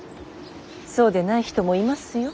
そうでない人もいますよ。